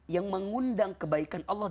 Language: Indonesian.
yang mengundang kebaikan allah